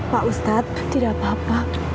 pak ustadz tidak apa apa